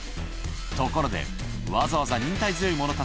ところで、わざわざ忍耐強い者た